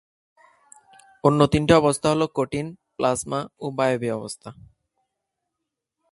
অন্য তিনটি অবস্থা হল কঠিন, প্লাজমা, ও বায়বীয় অবস্থা।